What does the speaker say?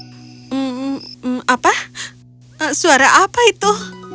hmm apa suara apa itu